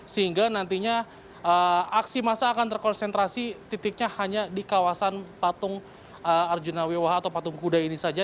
sehingga nantinya aksi masa akan terkonsentrasi titiknya hanya di kawasan patung arjuna wewah atau patung kuda ini saja